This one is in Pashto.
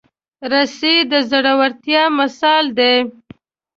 رسۍ د زړورتیا مثال دی.